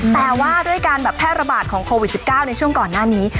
แต่ว่าด้วยการแบบแพร่ระบาดของโควิด๑๙ในช่วงก่อนหน้านี้